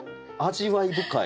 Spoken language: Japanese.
味わい深い。